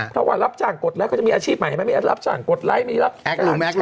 ถ้าว่ารับจ่างกดแล้วก็จะมีอาชีพใหม่ไหมรับจ่างกดไลค์มีรับจ่างแชร์